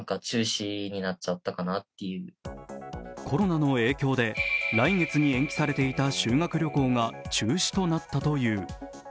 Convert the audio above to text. コロナの影響で来月に延期されていた修学旅行が中止となったという。